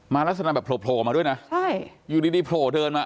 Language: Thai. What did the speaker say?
มารัฐสนามแบบโผล่มาด้วยนะอยู่ดีโผล่เดินมา